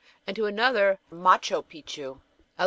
and to another "Matchopicchu, ele.